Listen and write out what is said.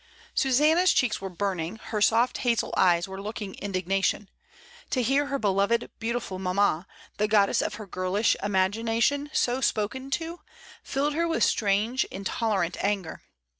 Susanna's cheeks were burning, her soft hazel eyes were looking indignation. To hear her beloved beautiful mamma, the goddess of her girlish imagina tion, so spoken to, filled her with a strange intolerant anger.